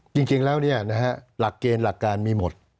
จริงแล้วหลักเกณฑ์หลักการมีหมด